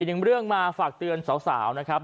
หนึ่งเรื่องมาฝากเตือนสาวนะครับ